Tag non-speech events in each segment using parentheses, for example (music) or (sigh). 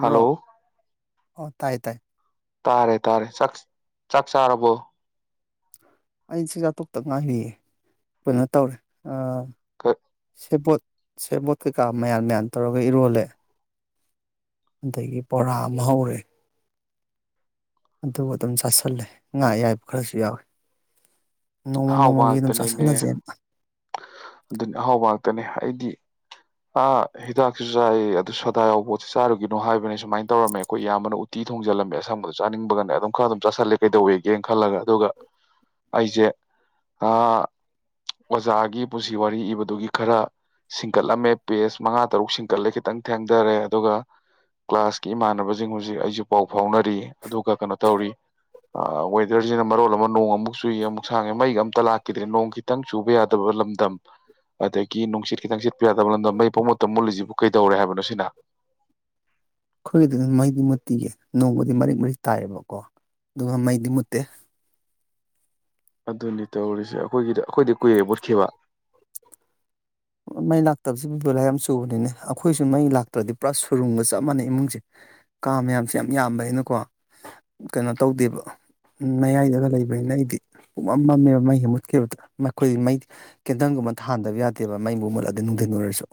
hello ꯑꯣ ꯇꯥꯏꯌꯦ ꯇꯥꯏ ꯇꯥꯔꯦ ꯇꯥꯔꯦ ꯆ ꯆꯥꯛ ꯆꯥꯔꯕꯣ ꯑꯩ ꯆꯖꯥꯊꯣꯛꯇ ꯉꯥꯏꯕꯤꯌꯦ ꯀꯩꯅꯣ ꯇꯧꯔꯦ ꯑ ꯁꯦꯕꯣꯠ ꯁꯦꯕꯣꯠ ꯀꯩꯀꯥ ꯃꯌꯥꯟꯃꯌꯥꯟ ꯇꯧꯔꯒ ꯏꯔꯣꯜꯂꯦ ꯑꯗꯒꯤ ꯕꯣꯔꯥ ꯑꯃ ꯍꯧꯔꯦ ꯑꯗꯨ ꯑꯗꯨꯝ ꯆꯥꯥꯁꯜꯂꯦ ꯉꯥ ꯑꯌꯥꯏꯕ ꯈꯔꯁꯨ ꯌꯥꯎꯋꯤ ꯅꯣꯡꯃ ꯑꯍꯥꯎꯕ ꯅꯣꯡꯃꯒꯤ ꯑꯗꯨꯝ ꯉꯥꯛꯇꯅꯤꯅꯦ ꯆꯥꯁꯤꯜꯂꯁꯦꯅ ꯑꯗꯨꯅꯤ ꯑꯍꯥꯎꯕ ꯉꯥꯛꯇꯅꯦ ꯑꯩꯗꯤ ꯑ ꯍꯤꯗꯥꯛꯁꯤꯁꯨ ꯆꯥꯏ ꯑꯗꯨ ꯁꯗꯥ ꯌꯥꯎꯕꯣꯠꯁꯤ ꯆꯥꯔꯨꯒꯤꯅꯣ ꯍꯥꯏꯕꯅꯦ ꯁꯨꯃꯥꯏꯅ ꯇꯧꯔꯝꯃꯦ ꯑꯩꯈꯣꯏ ꯑꯌꯥꯝꯕꯅ ꯎꯇꯤ ꯊꯣꯡꯖꯤꯜꯂꯝꯃꯦ ꯑꯁꯪꯕꯗ ꯆꯥꯅꯤꯡꯕꯒꯅꯦ ꯑꯗꯨꯝ ꯈꯔ ꯑꯗꯨꯝ ꯆꯥꯥꯁꯜꯂꯦ ꯀꯩꯗꯧꯋꯦꯒꯦꯅ ꯈꯜꯂꯒ ꯑꯗꯨꯒ ꯑꯩꯁꯦ ꯑ ꯑꯣꯖꯥꯒꯤ ꯄꯨꯟꯁꯤ ꯋꯥꯔꯤ ꯏꯕꯗꯨꯒꯤ ꯈꯔ ꯁꯤꯡꯀꯠꯂꯝꯃꯦ ꯄꯦꯁ ꯃꯉꯥ ꯇꯔꯨꯛ ꯁꯤꯡꯀꯠꯂꯦ ꯈꯤꯇꯪ ꯊꯦꯡꯊꯔꯦ ꯑꯗꯨꯒ ꯀ꯭ꯂꯥꯁꯀꯤ ꯏꯃꯥꯟꯅꯕꯁꯤꯡ ꯍꯧꯖꯤꯛ ꯑꯩꯁꯨ ꯄꯥꯎ ꯐꯥꯎꯅꯔꯤ ꯑꯗꯨꯒ ꯀꯩꯅꯣ ꯇꯧꯔꯤ ꯋꯦꯗꯔꯁꯤꯅ ꯃꯔꯣꯜ ꯑꯃ ꯅꯣꯡ ꯑꯃꯨꯛ ꯆꯨꯏꯌꯦ ꯑꯃꯨꯛ ꯁꯥꯡꯉꯦ ꯃꯩꯒ ꯑꯝꯇ ꯂꯥꯛꯈꯤꯗ꯭ꯔꯦ ꯅꯣꯡ ꯈꯤꯇꯪ ꯆꯨꯕ ꯌꯥꯗꯕ ꯂꯝꯗꯝ ꯑꯗꯒꯤ ꯅꯨꯡꯁꯤꯠ ꯈꯤꯇꯪ ꯁꯤꯠꯄ ꯌꯥꯗꯕ ꯂꯝꯗꯝ ꯃꯩ ꯄꯨꯡ ꯃꯨꯠꯇ ꯃꯨꯜꯂꯤꯁꯤꯕꯨ ꯀꯩꯗꯧꯔꯦ ꯍꯥꯏꯕꯅꯣ ꯁꯤꯅ ꯑꯈꯣꯏꯒꯤꯗꯤ ꯃꯩꯗꯤ ꯃꯠꯇꯤꯒ ꯅꯣꯡꯕꯨꯗꯤ ꯃꯔꯤꯛ ꯃꯔꯤꯛ ꯇꯥꯏꯌꯦꯕꯀꯣ ꯑꯗꯨꯒ ꯃꯩꯗꯤ ꯃꯨꯠꯇꯦ ꯑꯗꯨꯅꯤ ꯇꯧꯔꯤꯁꯦ ꯑꯩꯈꯣꯏꯒꯤꯗ ꯑꯩꯈꯣꯏꯗꯤ ꯀꯨꯏꯔꯦ ꯃꯠꯈꯤꯕ ꯃꯩ ꯂꯥꯛꯇꯕꯁꯤ ꯕꯤꯕꯨ ꯌꯥꯝ ꯆꯨꯕꯅꯤꯅꯦ ꯑꯩꯈꯣꯏꯁꯨ ꯃꯩ ꯂꯥꯛꯇ꯭ꯔꯗꯤ ꯄꯨꯔꯥ ꯁꯨꯔꯨꯝꯒ ꯆꯞ ꯃꯥꯟꯅꯩ ꯏꯃꯨꯡꯁꯦ ꯀꯥ ꯃꯌꯥꯝꯁꯦ ꯌꯥꯝ ꯌꯥꯝꯕ ꯍꯥꯏꯅꯀꯣ ꯀꯩꯅꯣ ꯇꯧꯗꯦꯕ ꯃꯌꯥꯏꯗꯒ ꯂꯩꯕꯅꯤꯅ ꯑꯩꯗꯤ ꯄꯨꯝꯃꯝ ꯃꯝꯃꯦꯕ ꯃꯩ ꯍꯦꯛ ꯃꯨꯠꯈꯤꯕꯗ ꯑꯈꯣꯏꯗꯤ ꯃꯩ ꯀꯦꯟꯗꯜꯒꯨꯝꯕ ꯊꯥꯥꯟꯗꯕ ꯌꯥꯗꯦ ꯗꯦꯕ ꯃꯩꯕꯨ ꯃꯠꯂꯗꯤ ꯅꯨꯡꯊꯤꯟ ꯑꯣꯏꯔꯁꯨ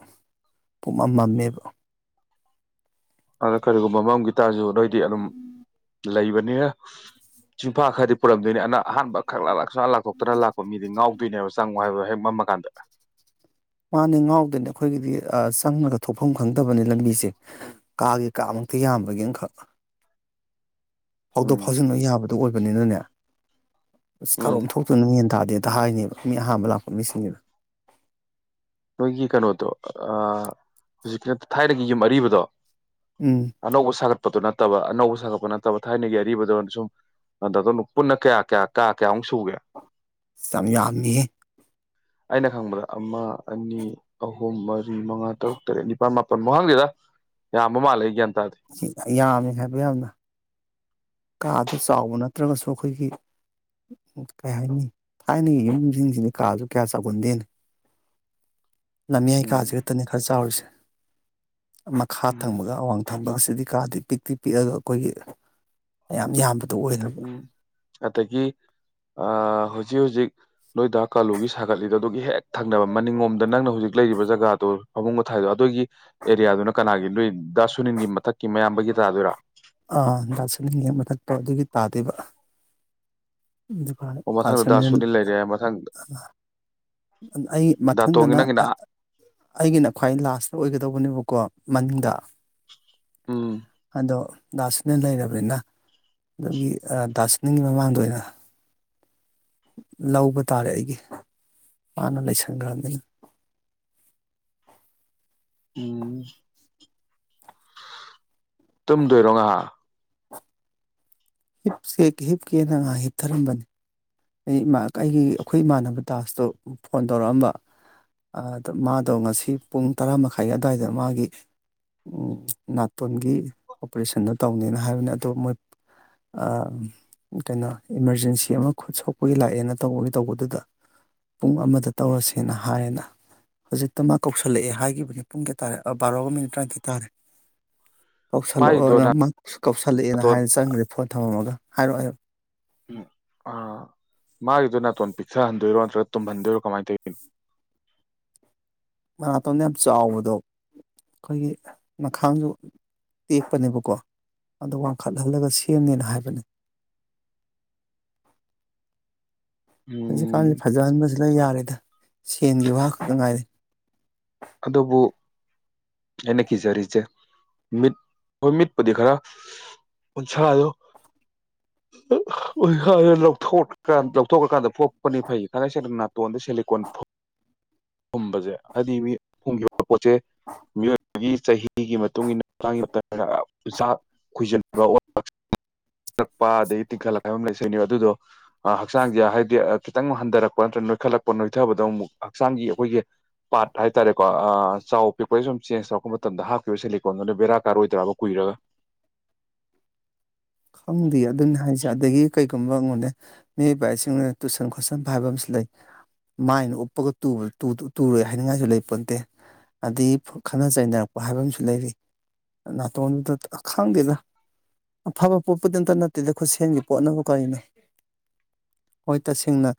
ꯄꯨꯝꯃꯝ ꯃꯝꯃꯦꯕ ꯑꯗ ꯀꯔꯤꯒꯨꯝꯕ ꯃꯝꯒꯤ ꯇꯥꯖꯨ ꯅꫭꯏꯗꯤ ꯑꯗꯨꯝ ꯂꯩꯕꯅꯤꯅ ꯆꯤꯡꯐꯥ ꯈꯔꯗꯤ ꯄꯨꯔꯝꯗꯣꯏꯅꯤ ꯑꯅ ꯑꯍꯥꯟꯕ ꯈꯛꯥꯂꯛ ꯁꯂꯥ ꯂꯥꯛꯇꯣꯛꯇꯅ ꯂꯥꯛꯄ ꯃꯤꯗꯤ ꯉꯥꯎꯗꯣꯏꯅꯦꯕꯪ ꯅꯨꯡ (unintelligible) ꯍꯦꯛ ꯃꯝꯃ ꯀꯥꯟꯗ ꯃꯥꯅꯦ ꯉꯥꯎꯗꯅꯦ ꯑꯩꯈꯣꯏꯒꯤꯗꯤ ꯆꯪꯉꯒ ꯊꯣꯛꯐꯝ ꯈꯪꯗꯕꯅꯤ ꯂꯝꯕꯤꯁꯦ ꯀꯥꯒꯤ ꯀꯥꯃꯛꯇ ꯌꯥꯝꯕꯒꯤꯅꯈꯛ ꯐꯥꯎꯗꯣꯛ ꯎꯝ ꯐꯥꯎꯖꯤꯟ ꯂꫭꯏ ꯌꯥꯕ ꯑꯗꯨ ꯑꯣꯏꯕꯅꯤꯅꯅꯦ ꯑꯁ ꯀꯔꯣꯝ ꯎꯝ ꯊꯣꯛꯇꯣꯏꯅꫭ ꯃꯦꯟꯇ ꯗꯦꯇ ꯍꯥꯏꯅꯦꯕ ꯃꯤ ꯑꯍꯥꯟꯕ ꯂꯥꯛꯄ ꯃꯤꯁꯤꯡꯅꯦꯕ ꯅꯣꯏꯒꯤ ꯀꯩꯅꯣꯗꯣ ꯍꯧꯖꯤꯛꯀꯤꯅ ꯊꯥꯏꯅꯒꯤ ꯌꯨꯝ ꯑꯔꯤꯕꯗꯣ ꯎꯝ ꯑꯅꯧꯁꯒꯠ ꯄꯗꯣ ꯅꯠꯇꯕ ꯑꯅꯧꯕ ꯁꯥꯒꯠꯄ ꯅꯠꯇꯕ ꯊꯥꯏꯅꯒꯤ ꯑꯔꯤꯕꯗꯅ ꯁꯨꯝ ꯗꯇꯅ ꯄꯨꯟꯅ ꯀꯌꯥ ꯀꯌꯥ ꯀꯌꯥ ꯀꯌꯥꯃꯨꯛ ꯁꯨꯒꯦ ꯆꯌꯥꯝꯃꯤꯌꯦ ꯑꯩꯅ ꯈꯪꯕꯗ ꯑꯃ ꯑꯅꯤ ꯑꯍꯨꯝ ꯃꯥ ꯔꯤ ꯃꯉꯥ ꯇꯔꯨꯛ ꯇꯔꯦꯠ ꯅꯤꯄꯥꯟ ꯃꯥ ꯄ ꯃꯍꯪꯁꯤꯗ ꯌꯥꯝꯕ ꯃꯥꯜꯂꯦ ꯒꯥꯟ ꯌꯥꯝꯃꯤ ꯍꯥꯏꯕ ꯌꯥꯝꯅ ꯀꯥ ꯁ ꯆꯥꯎꯕ ꯅꯠꯇ꯭ꯔꯒꯁꯨ ꯑꯩꯈꯣꯏꯒꯤ ꯀꯩ ꯍꯥꯏꯅꯤ ꯊꯥꯏꯅꯒꯤ ꯌꯨꯝꯁꯤꯡꯁꯤꯗꯤ ꯀꯥꯁꯨ ꯀꯌꯥ ꯆꯥꯎꯒꯟꯗꯦꯅꯤ ꯂꯝꯃꯤꯌꯥꯏ ꯎꯝ ꯀꯥꯥꯖꯦ ꯈꯛꯇꯅꯤ ꯈꯔ ꯆꯥꯎꯔꯤꯁꯦ ꯃꯈꯥ ꯎꯝ ꯊꯪꯕꯒ ꯑꯋꯥꯡ ꯊꯪꯕꯒꯁꯤꯗꯤ ꯀꯥꯗꯤ ꯄꯤꯛꯇꯤ ꯄꯤꯛꯑꯒ ꯑꯩꯈꯣꯏꯒꯤ ꯃꯥꯌꯥꯝ ꯌꯥꯝꯕ ꯑꯗꯨ ꯑꯣꯏꯕ ꯎꯝ ꯑꯗꯒꯤ ꯑ ꯍꯧꯖꯤꯛ ꯍꯧꯖꯤꯛ ꯅꯣꯏꯗ ꯀꯥꯂꯨꯒꯤ ꯁꯥꯒꯠꯂꯤꯗꯣ ꯑꯗꯨꯒꯤ ꯍꯦꯛ ꯊꯪꯅꯕ ꯃꯅꯤꯡꯂꯣꯝꯗ ꯅꯪꯅ ꯍꯧꯖꯤꯛ ꯂꯩꯔꯤꯕ ꯖꯒꯥꯗꯨꯣ ꯐꯃꯨꯡꯒ ꯊꯥꯏꯗꯣ ꯑꯗꯨꯒꯤ ꯑꯦꯔꯤꯌꯥꯗꯨꯅ ꯀꯅꯥꯒꯤ ꯅꯣꯏ ꯗꯥ ꯁꯨꯅꯤꯟꯒꯤ ꯃꯊꯛꯀꯤ ꯃꯌꯥꯝꯕꯒꯤ ꯇꯥꯗꯣꯏꯔꯥ ꯑꯥ (unintelligible) ꯃꯊꯛꯇ ꯑꯗꯨꯒꯤ ꯇꯥꯗꯦꯕ ꯑꯣ ꯃꯊꯪꯗ ꯗꯥ ꯁꯨꯅꯤꯜ ꯂꯩꯔꯦ ꯃꯊꯪ (unintelligible) ꯑꯩ ꯗꯥꯇꯣꯟꯒꯤ ꯃꯊꯪꯗꯅ ꯅꯪꯒꯤꯅ ꯑꯩꯒꯤꯅ ꯈ꯭ꯋꯥꯏ ꯂꯥꯁ ꯑꯣꯏꯒꯗꯧꯕꯅꯦꯕꯀꯣ ꯃꯅꯤꯗꯡ ꯎꯝ ꯑꯗꯣ ꯗꯥꯁꯨꯅꯤꯜ ꯂꯩꯔꯕꯅꯤꯅ ꯑꯗꯨꯒꯤ ꯗꯥ ꯁꯨꯅꯤꯜꯒꯤ ꯃꯃꯥꯡꯗ ꯑꯣꯏꯅ ꯂꯧꯕ ꯇꯥꯔꯦ ꯑꯩꯒꯤ ꯃꯥꯅ ꯂꯩꯁꯟꯒ꯭ꯔꯝꯅꯤꯅ ꯎꯝ ꯇꯨꯝꯗꯣꯏꯔꯣ ꯉꯍꯥꯛ ꯍꯤꯞꯁ‌ꯦ ꯍꯤꯞ ꯀꯦꯅ ꯉꯥꯏꯍꯥꯛ ꯍꯤꯞꯊꯔꯝꯕꯅꯤ ꯑꯩ ꯑꯩꯒꯤ ꯑꯩꯈꯣꯏ ꯏꯃꯥꯟꯅꯕ ꯇꯥꯖꯇꯣ ꯐꯣꯟ ꯇꯧꯔꯛꯑꯝꯕ ꯃꯥꯗꯣ ꯉꯁꯤ ꯄꯨꯡ ꯇꯔꯥꯃꯈꯥꯏ ꯑꯗꯨꯋꯥꯏꯗ ꯃꯥꯒꯤ ꯅꯥꯇꯣꯟꯒꯤ ꯑꯣꯄꯔꯦꯁꯟꯗꯣ ꯇꯧꯅꯦꯅ ꯍꯥꯏꯕꯅꯦ ꯑꯗꯣ ꯃꯣꯏ ꯑ ꯀꯩꯅꯣ ꯏꯃꯥꯔꯖꯦꯟꯁꯤ ꯑꯃꯈꯛ ꯈꯨꯠ ꯁꯣꯛꯄꯒꯤ ꯂꯥꯛꯑꯦꯅ ꯇꯧꯕꯒꯤ ꯇꯧꯕꯗꯨꯗ ꯄꯨꯡ ꯑꯃꯗ ꯇꯧꯔꯁꯦꯅ ꯍꯥꯏꯌꯦꯅ ꯍꯧꯖꯤꯛꯇ ꯃꯥ ꯀꯧꯁꯤꯜꯂꯛꯑꯦ ꯍꯥꯏꯒꯤꯈꯤꯕꯅꯦ ꯄꯨꯡ ꯀꯌꯥ ꯇꯥꯔꯦ ꯕꯥꯔꯣꯒ ꯃꯤꯅꯤꯠ ꯇꯔꯥꯅꯤꯊꯣꯏ ꯇꯥꯔꯦ ꯀꯧꯁꯜꯂꯛꯑꯣ ꯃꯥꯏꯗꯣ ꯑꯗꯨ ꯃꯁꯨ ꯀꯧꯁꯜꯂꯛꯑꯦꯅ ꯗꯥꯇꯣꯟ ꯍꯥꯏꯅ ꯆꯪꯈ꯭ꯔꯦ ꯐꯣꯟ ꯊꯝꯃꯝꯃꯒ ꯍꯥꯏꯔꯛꯑ‌ꯣ ꯍꯥꯏꯔꯛꯑꯣ ꯎꯝ ꯑꯥ ꯃꯥꯒꯤꯗꯨ ꯅꯥꯇꯣꯟ ꯄꯤꯛꯊꯍꯟꯗꯣꯏꯔꯣ ꯅꯠꯇ꯭ꯔꯒ ꯇꯨꯝꯍꯟꯗꯣꯏꯔꯣ ꯀꯃꯥꯏꯅ ꯇꯧꯅꯣ ꯃꯅꯥꯇꯣꯟꯅ ꯌꯥꯝ ꯆꯥꯎꯕꯗꯣ ꯑꯩꯈꯣꯏꯒꯤ ꯅꯈꯥꯡꯁꯨ ꯇꯦꯛꯄꯅꯦꯕꯀꯣ ꯑꯗꯨ ꯋꯥꯡꯈꯠꯍꯜꯂꯒ ꯁꯦꯝꯅꯤꯅ ꯍꯥꯏꯕꯅꯦ ꯍꯧꯖꯤꯛꯀꯥꯟ ꯎꯝ ꯐꯖꯍꯟꯕꯁꯤ ꯂ‌ꯣꯏ ꯌꯥꯔꯦꯗ ꯁꯦꯟꯒꯤ ꯋꯥ ꯈꯛꯇ ꯉꯥꯏꯔ‌ꯦ ꯑꯗꯨꯕꯨ ꯑꯩꯅ ꯀꯤꯖꯔꯤꯁꯦ ꯃꯤꯠ ꯑꯩꯈꯣꯏ ꯃꯤꯠꯄꯨꯗꯤ ꯈꯔ ꯎꯟꯁꯥꯗꯣ ꯎꯟꯁꯥ ꯂꯧꯊ‌ꯣꯛ ꯂꯧꯊꯣꯛꯑꯀꯥꯟꯗ ꯐꯣꯠꯄꯅꯤ ꯐꯩ ꯊꯥꯡꯒꯩꯁ‌ꯦꯡꯅ ꯅꯥꯇꯣꯟꯗ ꯁꯦꯂꯤꯀꯣꯟ ꯐꯨꯝꯕꯁꯦ ꯍꯥꯏꯗꯤ ꯐꯨꯝꯈꯤꯕ ꯄꯣꯠꯁ‌ꯦ ꯃꯤꯑꯣꯏ ꯆꯍꯤ ꯆꯍꯤ ꯒꯤ ꯃꯇꯨꯡ ꯏꯟꯅ ꯃꯥꯒꯤ (unintelligible) ꯎꯟꯁꯥ ꯈꯣꯏꯖꯟꯕ ꯔꯛꯄ ꯑꯗꯒꯤ ꯇꯤꯡꯈꯠꯂꯛꯄ ꯍꯥꯏꯕ ꯑꯃ ꯂꯩꯁꯅꯤ ꯑꯗꯨꯗꯣ ꯍꯛꯆꯥꯡꯁꯦ ꯍꯥꯏꯕꯗꯤ ꯈꯤꯇꯪ ꯍꯟꯊꯔꯛꯄ ꯅꯠꯇ꯭ꯔꯒ ꯅꯣꯏꯈꯠꯂꯛꯄ ꯅꯣꯏꯊꯕꯗ ꯑꯃꯨꯛ ꯍꯛꯆꯥꯡꯒꯤ ꯑꯩꯈꯣꯏꯒꯤ ꯄꯥꯥꯔꯠ ꯆꯥꯎ ꯄꯤꯛꯄꯩ ꯁꯨꯝ ꯆꯦꯟꯖ ꯇꯧꯔꯛꯄ ꯃꯇꯝꯗ ꯍꯥꯞꯈꯤꯕ ꯁꯤꯂꯤꯀꯣꯟꯗꯨꯅ ꯕꯦꯔꯥ ꯀꯥꯔꯛꯑꯣꯏꯗꯔꯕ ꯀꯨꯏꯔꯒ ꯈꯪꯗꯦ ꯑꯗꯨꯅꯤ ꯍꯥꯏꯁꯦ ꯑꯗꯒꯤ ꯀꯩꯒꯨꯝꯕ ꯌ‌ꯦꯡꯉ‌ꯣꯅꯦ ꯃꯤꯑꯣꯏꯕ ꯍꯥꯏꯁꯤ ꯇꯨꯁꯟ ꯈꯣꯠꯁꯟꯕ ꯍꯥꯏꯕ ꯑꯃꯁꯨ ꯂꯩ ꯃꯥꯏꯅ ꯎꯞꯄꯒ ꯇꯨ ꯇꯨ ꯇꯨꯔꯣꯏ ꯍꯥꯏꯅꯤꯡꯉꯥꯏꯁꯨ ꯂꯩ ꯄꯣꯟꯇꯦ ꯑꯗꯒꯤ ꯈꯠꯅ ꯆꯩꯅꯔꯛꯄ ꯍꯥꯏꯕ ꯑꯃꯁꯨ ꯂꯩꯔꯤ ꯅꯥꯇꯣꯟꯗꯨꯗ ꯈꯪꯗꯦꯗ ꯑꯐꯕ ꯄꯣꯠꯄꯨ ꯗꯤ ꯑꯝꯇ ꯅꯠꯇꯦꯗ ꯈꯨꯠꯁꯦꯝꯒꯤ ꯄꯣꯠꯅꯕꯨ ꯀꯔꯤꯅꯣ ꯍꯣꯏ ꯇꯁꯦꯡꯅ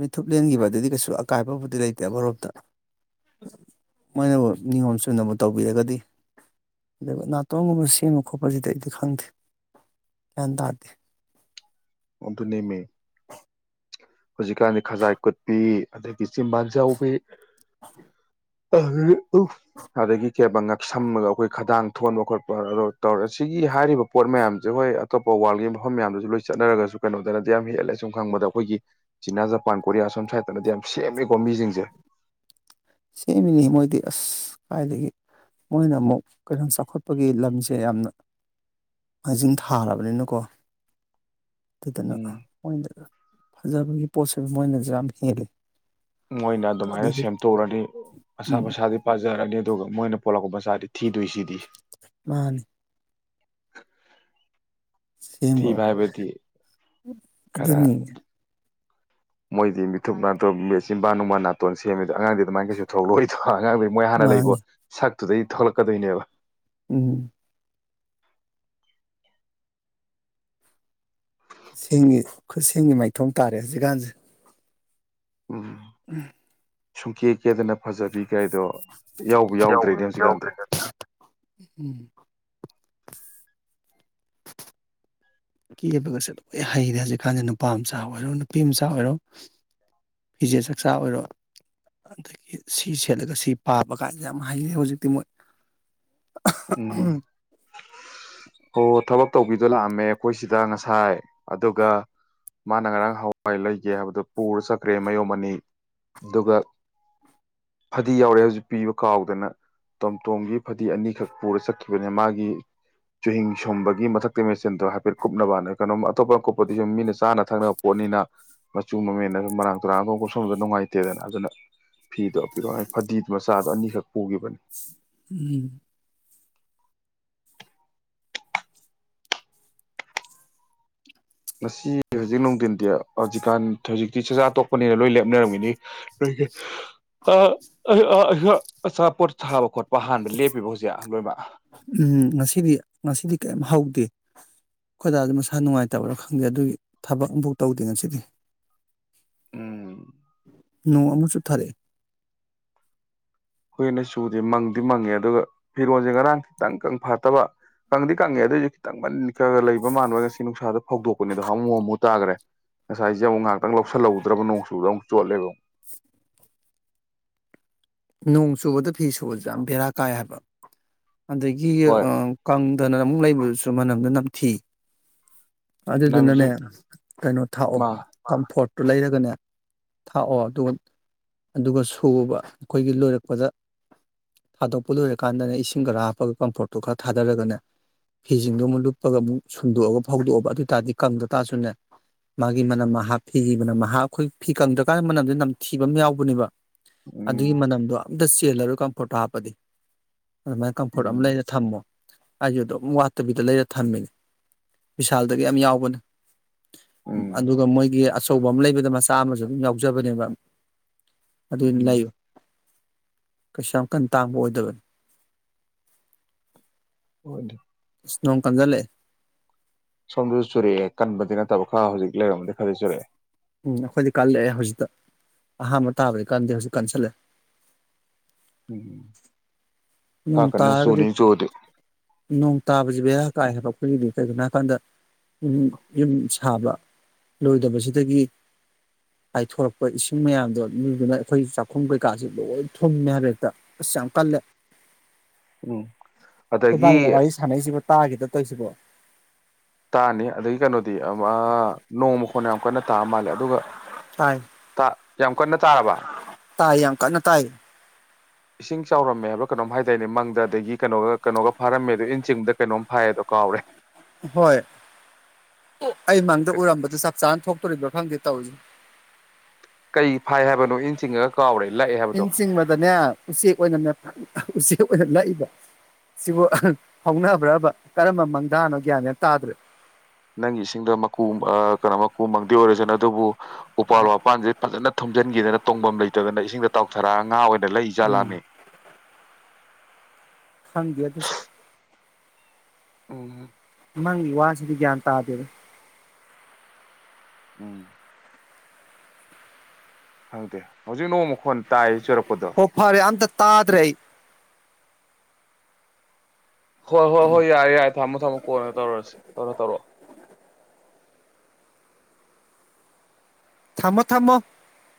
ꯃꯤꯠꯊꯨꯞ ꯂꯦꯟꯈꯤꯕ ꯑꯗꯨꯗꯤ ꯀꯩꯁꯨ ꯑꯀꯥꯏꯕꯕꯨꯗꯤ ꯂꯩꯇꯦ ꯑꯃꯔ‌ꯣꯝꯗ ꯃꯣꯏꯅꯕꯨ ꯅꯤꯌꯣꯝ ꯆꯨꯝꯅꯕꯨ ꯇꯧꯕꯤꯔꯒꯗꯤ ꯑꯗꯨꯒ ꯅꯥꯇꯣꯟꯒꯨꯝꯕ ꯁꯦꯝꯕ ꯈꯣꯠꯄꯁꯤꯗꯤ ꯑꯩꯗꯤ ꯈꯪꯗꯦ ꯒꯌꯥꯟ ꯇꯥꯗ‌ꯦ ꯑꯣ ꯑꯗꯨꯅꯦꯃꯦ ꯍꯧꯖꯤꯛꯀꯥꯟꯗꯤ ꯈꯖꯥꯏ ꯀꯨꯠꯄꯤ ꯑꯗꯒꯤ ꯆꯤꯕꯥꯟ ꯆꯥꯎꯕꯤ (unintelligible) (unintelligible) ꯑꯗꯒꯤ ꯀꯩꯕ ꯉꯛꯁꯝꯃꯒ ꯑꯩꯈꯣꯏ ꯈꯗꯥꯡ ꯊꯣꯟꯕ ꯈꯣꯠꯄ ꯑꯗ‌ꯣ ꯇꯧꯔꯦ ꯁꯤ ꯍꯥꯏꯔꯤꯕ ꯄꯣꯠ ꯃꯌꯥꯝꯁꯦ ꯍꯣꯏ ꯑꯇꯣꯞꯄ ꯋꯥꯔꯜꯒꯤ ꯃꯐꯝ ꯃꯌꯥꯝꯗꯁꯨ ꯂꯣꯏ ꯆꯠꯅꯔꯒꯁꯨ ꯁ ꯀꯩꯅꯣꯗꯅꯗꯤ ꯌꯥꯝ ꯍꯦꯜꯂꯦ ꯁꯨꯝ ꯈꯪꯕꯗ ꯑꯩꯈꯣꯏꯒꯤ ꯆꯤꯅꯥ ꯖꯄꯥꯟ ꯀꯣꯔꯤꯌꯥ ꯁꯣꯝ ꯁ꯭ꯥꯏꯗꯠꯇꯅꯗꯤ ꯌꯥꯝ ꯁꯦꯝꯃꯦꯀꯣ ꯃꯤꯁꯤꯡꯁꯦ ꯁꯦꯝꯃꯤꯅꯤ ꯃꯣꯏꯗꯤ ꯑꯁ ꯀꯥꯏꯗꯒꯤ ꯃꯣꯏꯅ ꯑꯃꯨꯛ ꯀꯩꯅꯣ ꯆꯥꯎꯈꯠꯄꯒꯤ ꯂꯝꯁꯦ ꯌꯥꯝꯅ ꯃꯥꯡꯖꯤꯜ ꯊꯥꯔꯕꯅꯤꯅꯀꯣ ꯑꯗꯨꯗꯅ ꯎꯝ ꯃ‌ꯣꯏꯗ ꯐꯖꯕꯒꯤ ꯄꯣꯠꯁꯤ ꯃꯣꯏꯅꯁꯨ ꯌꯥꯝ ꯍꯦꯜꯂꯤ ꯃꯣꯏꯅ ꯑꯗꯨꯃꯥꯏꯅ ꯑꯗꯨꯗꯨꯅ ꯁꯦꯝꯗꯣꯛꯎꯔꯅꯤ ꯃꯁꯥ ꯎꯝ ꯃꯁꯥꯗꯤ ꯄꯥꯖꯔꯅꯤ ꯑꯗꯨꯒ ꯃꯣꯏꯅ ꯄꯣꯛꯂꯛꯄ ꯃꯆꯥꯗꯤ ꯊꯤꯗꯣꯏꯁꯤꯗꯤ ꯃꯥꯅꯤ ꯊꯤꯕ ꯁꯦꯝꯉꯣꯀ ꯍꯥꯏꯕꯗꯤ ꯈꯔ ꯑꯗꯨꯅꯤ ꯃꯣꯏꯗꯤ ꯃꯤꯊꯨꯞ ꯅꯥꯊ ꯃꯆꯤꯟꯕꯥ ꯅꯨꯡꯃ ꯅꯥꯇꯣꯟ ꯁꯦꯝꯃꯦ ꯑꯉꯥꯡꯗꯤ ꯑꯗꯨꯃꯥꯏꯅ ꯀꯩꯁꯨ ꯊꯣꯛꯂꯛꯑꯣꯏꯗ ꯑꯉꯥꯡꯗꯩ ꯃꯣꯏ ꯍꯥꯟꯅ ꯂꯩꯕꯣ ꯃꯥꯅꯤ ꯁꯛ ꯑꯗꯨꯗꯩ ꯊꯣꯛꯂꯛꯀꯗꯣꯏꯅꯦꯕ ꯎꯝ ꯈꯨꯁꯦꯝꯒꯤ ꯈꯨꯠꯁꯦꯝꯒꯤ ꯃꯥꯏꯊꯣꯡ ꯇꯥꯔꯦ ꯍꯧꯖꯤꯛꯀꯥꯟꯁꯦ ꯑꯣ ꯎꯝ ꯁꯨꯡꯀꯦ ꯀꯦꯗꯅ ꯐꯖꯕꯤ ꯀ ꯍꯥꯏꯗꯣ ꯌꯥꯎꯕ ꯌꯥꯎꯗ꯭ꯔꯦꯅꯦ ꯍꯧꯖꯤꯛꯀꯥꯟꯗꯤ ꯎꯝ ꯀꯦꯕꯒꯁꯨ ꯂꯣꯏ ꯍꯩꯔꯦ ꯍꯧꯖꯤꯛꯀꯥꯟꯗꯤ ꯅꯨꯄꯥ ꯃꯆꯥ ꯑꯣꯏꯔꯣ ꯅꯨꯄꯤ ꯃꯆꯥ ꯑꯣꯏꯔꯣ ꯐꯤꯖꯦꯠ ꯆꯛꯆꯥ ꯑꯣꯏꯔꯣ ꯑꯗꯒꯤ ꯁꯤ ꯁꯦꯠꯂꯒ ꯁꯤ ꯄꯥꯕ ꯀꯥꯟꯗ ꯌꯥꯝ ꯍꯩꯔꯦ ꯍꯧꯖꯤꯛꯇꯤ ꯃꯣꯏ ꯎꯝ ꯑꯣ ꯊꯕ ꯇꯧꯕꯤꯗꯣ ꯂꯥꯛꯑꯝꯃꯦ ꯑꯩꯈꯣꯏꯁꯤꯗ ꯉꯁꯥꯏ ꯑꯗꯨꯒ ꯃꯥꯅ ꯉꯔꯥꯡ ꯍꯋꯥꯏ ꯂꯩꯒꯦ ꯍꯥꯏꯕꯗꯣ ꯄꯨꯔ ꯆꯠꯈ꯭ꯔꯦ ꯃꯌꯨꯝ ꯑꯅꯤ ꯑꯗꯨꯒ ꯐꯗꯤ ꯌꯥꯎꯔꯦ ꯍꯧꯖꯤꯛ ꯄꯤꯕ ꯀꯥꯎꯗꯅ ꯇꯣꯝꯇꯣꯝꯒꯤ ꯐꯗꯤ ꯑꯅꯤꯈꯛ ꯄꯨꯔ ꯆꯠꯈꯤꯕꯅꯤ ꯃꯥꯒꯤ ꯆꯨꯍꯤꯤꯡ ꯁꯣꯟꯕꯒꯤ ꯃꯊꯛꯇ ꯃꯦꯆꯤꯟꯗꯣ ꯍꯥꯏꯐꯦꯠ ꯀꯨꯞꯅꯕꯅ ꯀꯩꯅꯣꯝ ꯑꯇꯣꯞꯄ ꯑꯀꯨꯞꯞꯄꯗꯤ ꯁꯨꯝ ꯃꯤꯅ ꯆꯥꯅ ꯊꯛꯅꯕ ꯄꯣꯠꯅꯤꯅ ꯃꯆꯨ ꯃꯃꯦꯟꯅꯁꯨ ꯃꯔꯥꯡ ꯇꯨꯔꯥꯡ ꯑꯃ ꯀꯨꯞꯁꯣꯟꯕꯗ ꯅꯨꯡꯉꯥꯏꯇꯦꯗꯅ ꯑꯗꯨꯅ ꯐꯤꯗꯣ ꯄꯤꯔꯛꯑꯣ ꯐꯗꯤ ꯃꯆꯥꯗꯣ ꯑꯅꯤꯈꯛ ꯄꯨꯈꯤꯕꯅꯤ ꯎꯝ ꯉꯁꯤ ꯍꯧꯖꯤꯛ ꯅꯨꯡꯊꯤꯟꯗꯤ ꯍꯧꯖꯤꯛꯀꯥꯟ ꯍꯧꯖꯤꯛꯇꯤ ꯆꯥꯛꯆꯥꯥ ꯇꯣꯛꯄꯅꯤꯅ ꯂꯣꯏ ꯂꯦꯞꯅꯔꯝꯃꯤꯅꯤ ꯑ ꯑ ꯆꯥ ꯄꯠ ꯆꯥꯈꯠ ꯎꯝ ꯉꯁꯤꯗꯤ ꯉꯁꯤꯗꯤ ꯀꯩꯝ ꯍꯧꯥꯎꯦ ꯈꯣꯏꯗꯥ ꯑꯗꯨ ꯃꯁꯥ ꯅꯨꯡꯉꯥꯏꯇꯕ꯭ꯔꯥ ꯈꯪꯗꯦ ꯑꯗꯨꯒꯤ ꯊꯕꯛ ꯑꯃꯐꯥꯎ ꯇꯧꯗꯦ ꯉꯁꯤꯗꯤ ꯎꯝ ꯅ ꯃꯆꯣꯊꯥꯦ ꯍꯈꯣꯏꯅ ꯆꯨꯁꯦ ꯃꯪꯗꯤ ꯃꯪꯉꯦ ꯑꯗꯨꯒ ꯐꯤꯔꯣꯟꯜꯁꯦ ꯉꯔꯥꯡ ꯈꯤꯇꯪ ꯀꯪ ꯐꯠꯇꯕ ꯀꯪꯗꯤ ꯀꯪꯉꯦ ꯑꯗꯨꯑꯣꯏꯁꯨ ꯈꯤꯇꯪ ꯃ ꯀ ꯂꯩꯕ ꯃꯥꯟꯕꯒ ꯉꯁꯤ ꯅꯨꯡꯁꯥꯗ ꯐꯧꯗꯣꯛꯄꯅꯦꯗꯣ ꯍꯥꯃꯨ ꯍꯃꯨ ꯇꯥꯈ꯭ꯔꯦ ꯉꯁꯥꯏꯁꯦ ꯑꯃꯨꯛ ꯉꯥꯏꯍꯥꯛꯇꯪ ꯂꯧꯁꯤꯜꯍꯧꯗ꯭ꯔꯕ ꯅꯣꯡ ꯆꯨꯕꯗ ꯑꯃꯨꯛ ꯆꯣꯠꯂꯦꯕ ꯑꯃꯨꯛ ꯅꯣꯡ ꯆꯨꯕꯗ ꯐꯤ ꯁꯨꯕꯁ ꯌꯥꯝ ꯕꯦꯔꯥ ꯀꯥꯏ ꯍꯥꯏꯕ ꯑꯗꯒꯤ ꯍꯣꯏ ꯀꯥꯡ ꯑꯗꯨꯅ ꯑꯃꯨꯛ ꯂꯩꯕꯗꯨꯁꯨ ꯃꯅꯝꯗ ꯅꯝꯊꯤ ꯅꯝꯖꯨ ꯑꯗꯨꯗꯨꯅꯅꯦ ꯀꯩꯅꯣ ꯊꯥꯛꯑꯣ ꯃꯥ ꯀꯝꯐꯣꯔꯠ ꯇꯨ ꯂꯩꯔꯒꯅꯦ ꯊꯥꯛꯑꯣ ꯑꯗꯨꯒ ꯑꯗꯨꯒ ꯁꯨꯕ ꯑꯩꯈꯣꯏꯒꯤ ꯂꯣꯏꯔꯛꯄꯗ ꯊꯥꯗꯣꯛꯄ ꯂꯣꯏꯔꯀꯥꯟꯗꯅꯦ ꯏꯁꯤꯡ ꯈꯔ ꯍꯥꯞꯄꯒ ꯀꯝꯐꯣꯔꯠꯇꯨ ꯈꯔ ꯊꯥꯗꯔꯒꯅꯦ ꯐꯤꯁꯤꯡꯗꯣ ꯑꯃꯨꯛ ꯂꯨꯞꯄꯒ ꯑꯃꯨꯛ ꯁꯨꯝꯗꯣꯛꯑꯒ ꯐꯧꯗꯣꯛꯑꯕ ꯑꯗꯨ ꯑꯣꯏ ꯇꯥꯔꯗꯤ ꯀꯪꯗ ꯇꯥꯔꯁꯨꯅꯦ ꯃꯥꯒꯤ ꯃꯅꯝ ꯐꯤꯒꯤ ꯃꯅꯝ ꯑꯩꯈꯣꯏ ꯐꯤ ꯀꯪꯗ꯭ꯔꯀꯥꯟꯗ ꯃꯅꯝꯗꯨ ꯅꯝꯊꯤꯕ ꯑꯃ ꯌꯥꯎꯕꯅꯦꯕ ꯎꯝ ꯑꯗꯨꯒꯤ ꯃꯅꯝꯗꯣ ꯑꯝꯇ ꯆꯦꯜꯂꯔꯣꯏ ꯀꯝꯐꯣꯔꯠꯇꯣ ꯍꯥꯞꯄꯗꯤ ꯑꯗꯨꯃꯥꯏꯅ ꯀꯝꯐꯣꯔꯠ ꯎꯝ ꯑꯃ ꯂꯩꯔ ꯊꯝꯃꯣ ꯑꯩꯁꯨ ꯑꯗꯨꯝ ꯋꯥꯠꯇꯕꯤꯗ ꯂꯩꯔ ꯊꯝꯃꯤꯅꯦ ꯁꯥꯜꯗꯒꯤ ꯌꯥꯝ ꯌꯥꯎꯕꯅꯦ ꯎꯝ ꯑꯗꯨꯒ ꯃꯣꯏꯒꯤ ꯑꯆꯧꯕ ꯑꯃ ꯂꯩꯕꯗ ꯃꯆꯥ ꯑꯃꯁꯨ ꯑꯗꯨꯝ ꯌꯥꯎꯖꯕꯅꯦꯕ ꯑꯗꯨ ꯎꯝ ꯂꯩꯥꯏꯨ ꯀꯩꯁ ꯌꯥꯝ ꯀꯟ ꯇꯥꯡꯕ ꯑꯣꯏꯗꯕꯅꯤ ꯍꯣꯏ ꯏꯁꯅꯣꯡ ꯀꯥꯟꯖꯂꯦ ꯁꯣꯝꯗꯁꯨ ꯆꯨꯔꯛꯑꯦ ꯀꯟꯕꯗꯤ ꯅꯠꯇꯕ ꯈꯔ ꯍꯧꯖꯤꯛ ꯂꯩꯔꯝꯝꯕꯗꯤ ꯈꯔꯗꯤ ꯆꯨꯔꯛꯑꯦ ꯎꯝ ꯑꯩꯈꯣꯏꯗꯤ ꯀꯜꯂꯛꯑꯦ ꯍꯧꯖꯤꯛꯇ ꯑꯍꯥꯟꯕ ꯇꯥꯕꯅꯤ ꯀꯥꯟꯗꯤ ꯍꯧꯖꯤꯛ ꯀꯟꯁꯜꯂꯑꯦ ꯅꯣꯡ ꯈꯔꯥ ꯀꯔꯅ ꯇꯥꯔꯒꯗꯤ ꯁꯨꯂꯤ ꯆꯣꯗ ꯅꯣꯡ ꯇꯥꯕꯁꯤ ꯕꯦꯔꯥ ꯀꯥꯏ ꯍꯥꯏꯕ ꯑꯩꯈꯣꯏꯒꯤꯗꯤ ꯀꯩꯒꯤꯅꯣ ꯍꯥꯏꯕꯀꯥꯟꯗ ꯌꯨꯝ ꯌꯨꯝ ꯁꯥꯕ ꯂꯣꯏꯗꯕꯁꯤꯗꯒꯤ ꯍꯥꯏꯥꯏꯊꯣꯔꯛꯄ ꯏꯁꯤꯡ ꯃꯌꯥꯝꯗꯣ ꯃꯤꯗꯨꯅ ꯑꯩꯈꯣꯏ ꯆꯥꯛꯈꯨꯝ ꯀꯩꯀꯥꯁꯦ ꯂꯣꯏ ꯊꯨꯝꯃꯦ ꯍꯥꯏꯕꯦ ꯍꯦꯛꯇ ꯑꯁ ꯌꯥꯝ ꯀꯜꯂꯦ ꯎꯝ ꯑꯗꯒꯤ ꯑꯩꯈꯣꯏꯕꯥꯅꯤꯅ ꯋꯥꯔꯤ ꯁꯥꯟꯅꯩꯁꯤꯕꯨ ꯇꯥꯈꯤꯗ ꯀꯣꯏꯁꯤꯕꯨꯣ ꯇꯥꯅꯤ ꯑꯩ ꯀꯩꯅꯣ ꯅꯣꯡꯃ ꯃꯈꯜ ꯑꯩ ꯀꯣꯏꯅ ꯇꯥꯑ ꯃꯥꯜꯂꯦ ꯑꯗꯨꯒ ꯇꯥꯏ ꯇꯥ ꯌꯥꯝ ꯀꯟꯅ ꯇꯥꯔꯕ ꯇꯥꯏ ꯌꯥꯝ ꯀꯟꯅ ꯇꯥꯏ ꯏꯁꯤꯡ ꯆꯥꯎꯔꯝꯃꯦꯕ ꯀꯩꯅꯣꯝ ꯍꯥꯏꯗꯥꯏꯅꯦ ꯃꯪꯗ ꯑꯗꯒꯤ ꯀꯩꯅꯣꯒ ꯀꯩꯅꯣꯒ ꯐꯥꯔꯝꯃꯦ ꯑꯣ ꯏꯟ ꯆꯤꯡꯗ ꯀꯩꯅꯣꯝ ꯐꯥꯏꯌꯦꯗꯣ ꯀꯥꯎꯔꯦ ꯍꯣꯏ ꯑꯩ ꯃꯪꯗ ꯎꯔꯝꯕꯗꯨ ꯆꯞ ꯆꯥꯅ ꯊꯣꯛꯇꯣꯔꯤꯕ꯭ꯔꯥ ꯈꯪꯗꯦ ꯇꯧꯖ ꯀꯩ ꯐꯥꯏ ꯍꯥꯏꯕꯅꯣ ꯏꯟ ꯆꯤꯡꯉꯒ ꯀꯥꯎꯔꯦ ꯂꯥꯛꯑꯦ ꯍ ꯍꯥꯏꯕꯗꯣ ꯆꯤꯡꯕꯗꯅꯦ ꯎꯆꯦꯛ ꯑꯣꯏꯅ ꯎꯆꯦꯛ ꯂꯛꯏꯕ ꯁꯤꯕꯨ ꯍꯧꯅꯕ꯭ꯔꯕ ꯀꯔꯝꯕ ꯃꯪꯗꯥꯥꯅꯣ ꯒ꯭ꯌꯥꯅꯦ ꯇꯥꯗ꯭ꯔꯦ ꯅꯪꯒꯤ ꯏꯁꯤꯡꯗ ꯃꯀꯨ ꯀꯩꯅꯣ ꯃꯀꯨ ꯃꯪꯗꯤ ꯑꯣꯏꯔꯁꯅ ꯑꯗꯨꯕꯨ ꯎꯄꯥꯜ ꯋꯥꯄꯥꯟꯁꯦ ꯐꯖꯅ ꯊꯨꯝꯖꯩ ꯅꯡꯒꯤ ꯗꯅ ꯇꯣꯡꯐꯝ ꯂꯩꯇꯗꯅ ꯏꯁꯤꯡꯗ ꯇꯥꯎꯊꯔꯛꯒ ꯉꯥ ꯑꯣꯏꯅ ꯂꯩ ꯏꯖ ꯎꯝ ꯂꯃꯦ ꯐꯪꯗ ꯑꯗꯨꯁꯨ ꯑꯝ ꯅꯪ ꯒꯤ ꯋ꯭ꯁꯤꯗ ꯒ꯭ꯌꯥꯟ ꯇꯥꯗꯦꯗ ꯎꯝ ꯈꯪꯗꯦ ꯍꯧꯖꯤꯛ ꯅꯣꯡꯃ ꯃꯈꯣꯟ ꯇꯥꯏ ꯆꯨꯔꯛꯄ ꯍꯣ ꯐꯔꯦ ꯑꯝꯇ ꯇꯥꯗ꯭ꯔꯦ ꯑꯩ ꯍꯣꯏ ꯍꯣꯏ ꯍꯣꯏ ꯌꯥꯔꯦ ꯌꯥꯔꯦ ꯊꯝꯃꯣ ꯊꯝꯃꯣ ꯀꯣꯟꯒ ꯇꯧꯔꯁꯤ ꯇꯔ ꯇꯣꯂꯣ ꯊꯝꯃꯣ ꯊꯝꯃꯣ